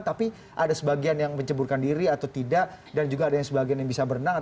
tapi ada sebagian yang menceburkan diri atau tidak dan juga ada yang sebagian yang bisa berenang